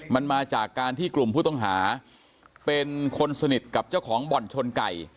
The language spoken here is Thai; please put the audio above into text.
มันมาจากการที่กลุ่มผู้ต้องหาเป็นคนสนิทกับเจ้าของบ่อนชนไก่